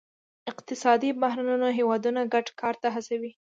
اقتصادي بحرانونه هیوادونه ګډ کار ته هڅوي